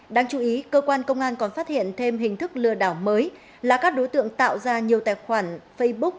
đáng chú ý cơ quan công an còn phát hiện thêm hình thức lừa đảo mới là các đối tượng tạo ra nhiều tài khoản facebook